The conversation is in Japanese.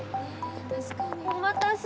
お待たせ！